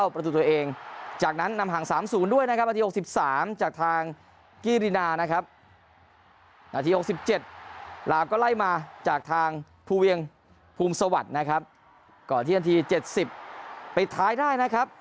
พูเวียงภูมิสวรรค์นะครับก่อนที่นันที๗๐ไปท้ายได้นะครับ